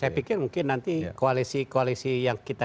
saya pikir mungkin nanti koalisi koalisi yang kita